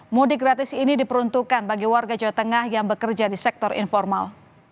mudik gratis ini diperuntukkan bagi warga jawa tengah yang bekerja di sektor informal